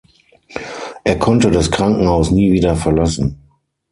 Er konnte das Krankenhaus nie wieder verlassen.